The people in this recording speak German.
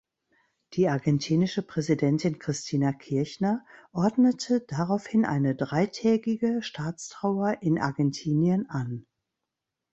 Die argentinische Präsidentin Cristina Kirchner ordnete daraufhin eine dreitägige Staatstrauer in Argentinien an.